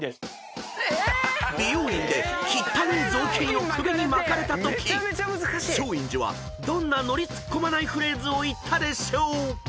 ⁉［美容院で汚ッたねぇ雑巾を首に巻かれたとき松陰寺はどんなノリ突っ込まないフレーズを言ったでしょう？］